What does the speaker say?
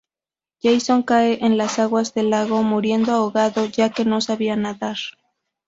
Jason cae en las aguas del lago muriendo ahogado ya que no sabía nadar.